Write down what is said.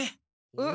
うん？